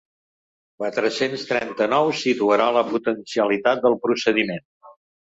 Quatre-cents trenta-nou situarà la «potencialitat» del procediment.